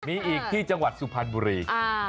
มีอีกที่จังหวัดสุพรรณบุรี